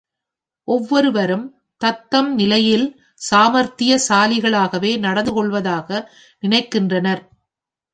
ஒவ்வொருவரும் தம்தம் நிலையில் சாமார்த்திய சாலிகளாகவே நடந்து கொள்வதாக நினைக்கின்றனர்.